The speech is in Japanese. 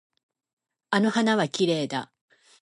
あの花はきれいだ。